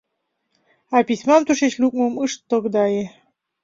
А письмам тушеч лукмым ыш тогдае.